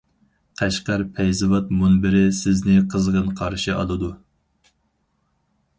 قەشقەر پەيزىۋات مۇنبىرى سىزنى قىزغىن قارشى ئالىدۇ.